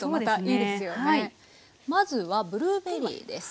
まずはブルーベリーです。